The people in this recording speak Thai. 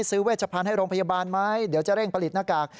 เวชพันธุ์ให้โรงพยาบาลไหมเดี๋ยวจะเร่งผลิตหน้ากาก